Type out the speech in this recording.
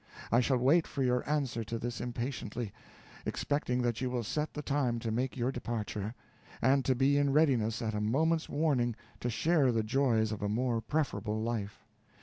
I shall wait for your answer to this impatiently, expecting that you will set the time to make your departure, and to be in readiness at a moment's warning to share the joys of a more preferable life.